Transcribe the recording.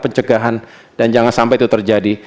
pencegahan dan jangan sampai itu terjadi